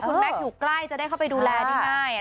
คุณแม็กซ์อยู่ใกล้จะได้เข้าไปดูแลได้ง่าย